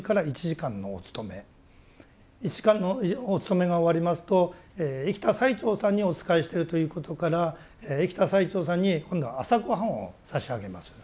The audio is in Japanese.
１時間のお勤めが終わりますと生きた最澄さんにお仕えしてるということから生きた最澄さんに今度は朝ごはんを差し上げます。